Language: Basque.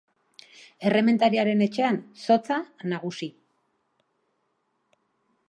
Errementariaren etxean zotza nagusi.